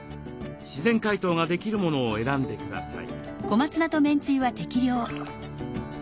自然解凍ができるものを選んでください。